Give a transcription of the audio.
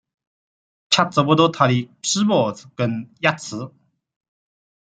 却找不到她的皮包和钥匙。